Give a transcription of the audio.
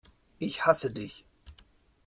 Ich hasse Dich!